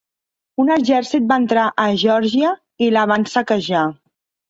Un exèrcit va entrar a Geòrgia i la van saquejar.